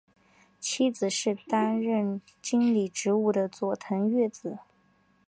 妻子是担任经理职务的佐藤悦子。